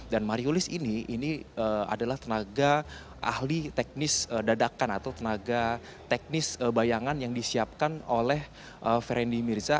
dan mariulis ini adalah tenaga ahli teknis dadakan atau tenaga teknis bayangan yang disiapkan oleh feryandi mirza